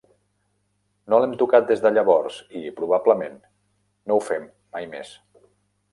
No l'hem tocat des de llavors i probablement no ho fem mai més.